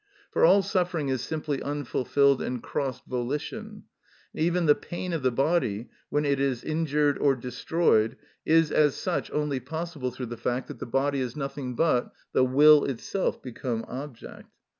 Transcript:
For all suffering is simply unfulfilled and crossed volition; and even the pain of the body when it is injured or destroyed is as such only possible through the fact that the body is nothing but the will itself become object.